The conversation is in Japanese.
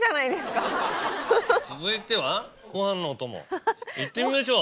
「続いてはごはんのお供いってみましょう」。